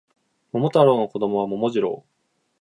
桃太郎の子供は桃次郎